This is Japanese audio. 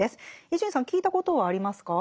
伊集院さん聞いたことはありますか？